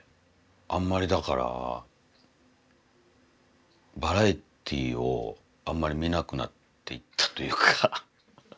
あんまりだからバラエティーをあんまり見なくなっていったというか。